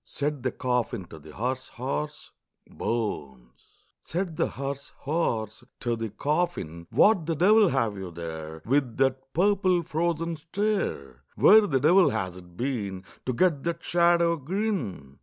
Said the coffin to the hearse horse, "Bones!" Said the hearse horse to the coffin, "What the devil have you there, With that purple frozen stare? Where the devil has it been To get that shadow grin?"